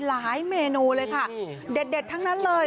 เมนูเลยค่ะเด็ดทั้งนั้นเลย